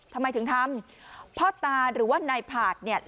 ทำไมถึงทำพ่อตาหรือว่านายผาดเนี่ย